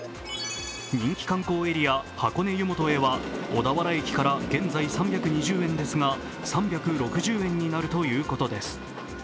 人気観光エリア・箱根湯本へは小田原駅から現在３２０円ですが３６０円になるということです。